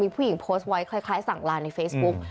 ผู้หญิงโพสต์ไว้คล้ายสั่งลาในเฟซบุ๊ก